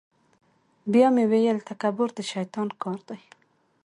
بیا مې ویل تکبر د شیطان کار دی.